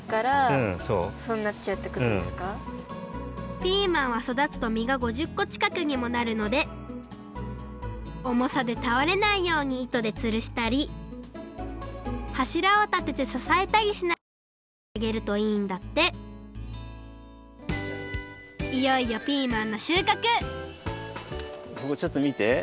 ピーマンはそだつとみが５０こちかくにもなるのでおもさでたおれないようにいとでつるしたりはしらをたててささえたりしながらそだててあげるといいんだっていよいよピーマンのしゅうかくここちょっとみて。